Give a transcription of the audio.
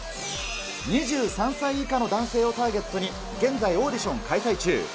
２３歳以下の男性をターゲットに、現在、オーディション開催中。